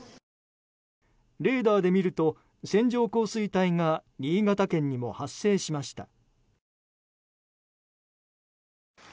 レーダーで見ると線状降水帯が新潟県にも発生しました。